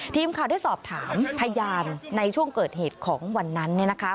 ทีมข่าวได้สอบถามพยานในช่วงเกิดเหตุของวันนั้นเนี่ยนะคะ